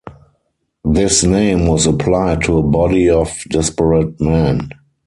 This name was applied to a body of desperate men.